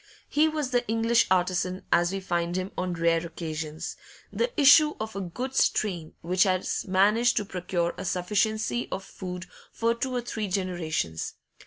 He was the English artisan as we find him on rare occasions, the issue of a good strain which has managed to procure a sufficiency of food for two or three generations.